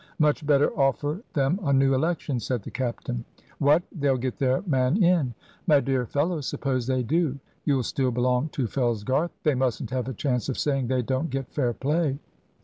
"Much better offer them a new election," said the captain. "What! They'll get their man in." "My dear fellow, suppose they do. You'll still belong to Fellsgarth. They mustn't have a chance of saying they don't get fair play."